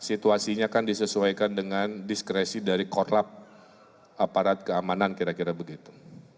situasinya kan disesuaikan dengan diskresi dari korlap aparat keamanan kira kira begitu